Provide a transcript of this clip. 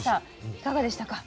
いかがでしたか？